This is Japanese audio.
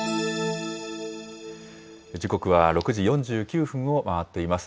時刻は６時４９分を回っています。